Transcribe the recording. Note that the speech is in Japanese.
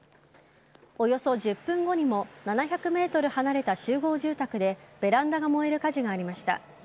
およそ１０分後にも７００ｍ離れた集合住宅でベランダが燃える火事がありました。